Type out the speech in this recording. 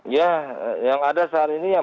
ya yang ada saat ini yang